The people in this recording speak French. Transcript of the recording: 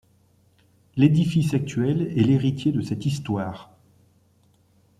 L'édifice actuel est l'héritier de cette histoire.